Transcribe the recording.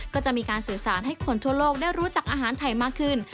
ก็จะมีการสื่อสารให้คนทั่วโลกได้รู้จักอาหารไทยมากขึ้น